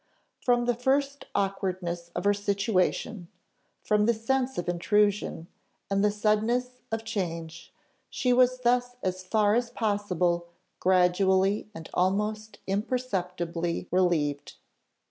From the first awkwardness of her situation, from the sense of intrusion, and the suddenness of change, she was thus as far as possible gradually and almost imperceptibly relieved.